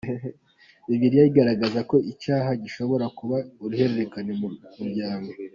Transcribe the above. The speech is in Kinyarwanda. Bibiliya igaragaza ko iki cyaha gishobora kuba uruhererekane mu muryango.